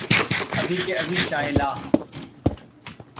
अभी के अभी चाय ला!